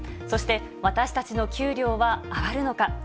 そして、私たちの給料は上がるのか。